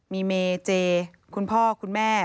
มีเมเจคุณพ่อคุณแม่